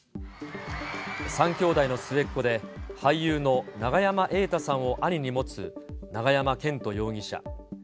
３兄弟の末っ子で、俳優の永山瑛太さんを兄に持つ永山絢斗容疑者。